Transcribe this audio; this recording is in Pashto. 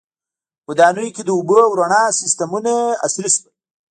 • ودانیو کې د اوبو او رڼا سیستمونه عصري شول.